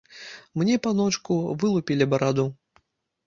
Мне, паночку, вылупілі бараду.